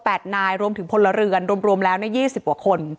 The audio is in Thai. นายรวมถึงพลเรือนรวมรวมแล้วในยี่สิบกว่าคน